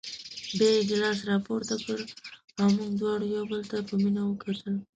بیا یې ګیلاس راپورته کړ او موږ دواړو یو بل ته په مینه وکتل.